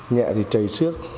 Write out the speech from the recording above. nhẹ thì chảy xước